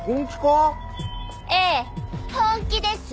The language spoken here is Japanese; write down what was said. ええ本気です。